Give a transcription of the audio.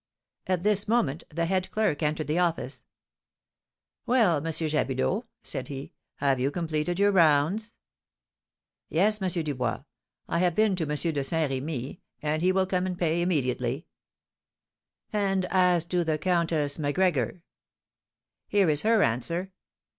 At this moment the head clerk entered the office. "Well, M. Jabulot," said he, "have you completed your rounds?" "Yes, M. Dubois; I have been to M. de Saint Remy, and he will come and pay immediately." "And as to the Countess Macgregor?" "Here is her answer."